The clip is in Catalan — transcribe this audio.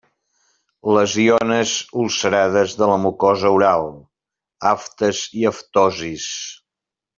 Lesiones ulcerades de la mucosa oral: aftes i aftosis.